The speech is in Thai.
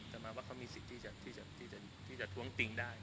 แต่มาว่าเขามีสิทธิ์ที่จะท้วงติงได้